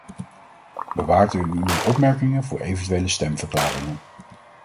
Bewaart u uw opmerkingen voor eventuele stemverklaringen.